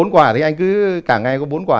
bốn quả thì anh cứ cả ngày có bốn quả